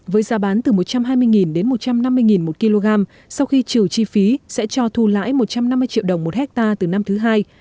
với giá bán từ một trăm hai mươi đến một trăm năm mươi đồng một kg sau khi trừ chi phí sẽ cho thu lãi một trăm năm mươi triệu đồng một hectare từ năm thứ hai